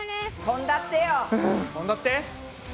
とんだって！